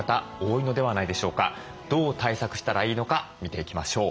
どう対策したらいいのか見ていきましょう。